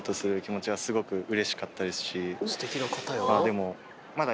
でも。